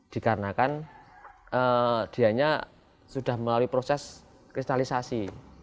dikarenakan dianya sudah melalui proses kristalisasi